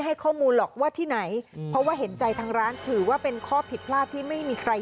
ให้ข้อมูลหรอกว่าที่ไหนเพราะว่าเห็นใจทางร้านถือว่าเป็นข้อผิดพลาดที่ไม่มีใคร